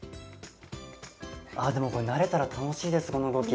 ああでもこれ慣れたら楽しいですこの動き。